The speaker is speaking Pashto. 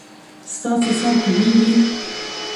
ستاسو سر خوږیږي؟